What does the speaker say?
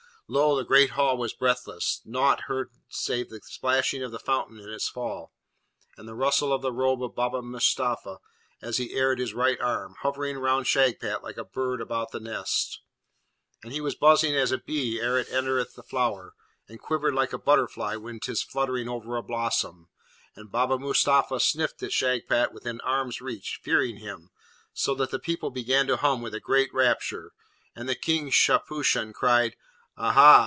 Lo, the great Hall was breathless, nought heard save the splashing of the fountain in its fall, and the rustle of the robe of Baba Mustapha as he aired his right arm, hovering round Shagpat like a bird about the nest; and he was buzzing as a bee ere it entereth the flower, and quivered like a butterfly when 'tis fluttering over a blossom; and Baba Mustapha sniffed at Shagpat within arm's reach, fearing him, so that the people began to hum with a great rapture, and the King Shahpushan cried, 'Aha!